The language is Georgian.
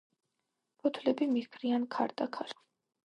ფოთლები მიჰქრიან ქარდაქარ.